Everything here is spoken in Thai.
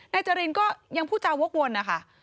นายจรินก็ยังพูดจาววกวน